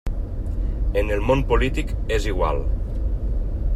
En el món polític és igual.